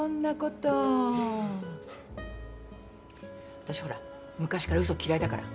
私ほら昔からうそ嫌いだから。